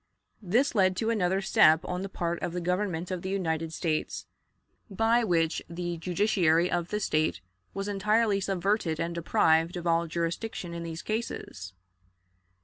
This led to another step on the part of the Government of the United States, by which the judiciary of the State was entirely subverted and deprived of all jurisdiction in these cases.